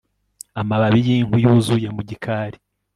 amababi yinkwi yuzuye mu gikari